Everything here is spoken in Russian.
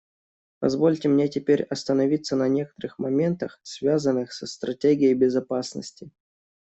Позвольте мне теперь остановиться на некоторых моментах, связанных со стратегией безопасности.